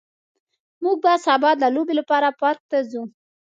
موږ به سبا د لوبو لپاره پارک ته ځو